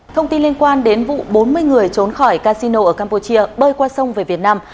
thông tin liên quan đến vụ bốn mươi người trốn khỏi casino ở campuchia bơi qua sông về việt nam